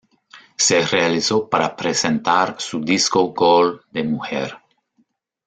Se realizó para presentar su disco Gol de mujer.